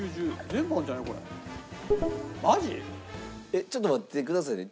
えっちょっと待ってくださいね。